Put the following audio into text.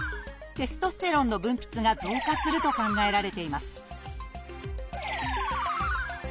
テストステロンの分泌が増加すると考えられています